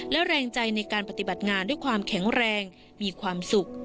และแรงใจในการปฏิบัติงานด้วยความแข็งแรงมีความสุข